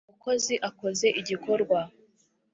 umukozi akoze igikorwa